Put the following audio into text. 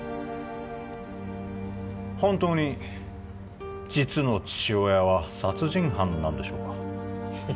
本当に実の父親は殺人犯なんでしょうか？